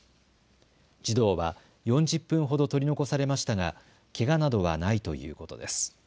児童は４０分ほど取り残されましたがけがなどはないということです。